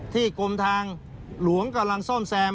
กรมทางหลวงกำลังซ่อมแซม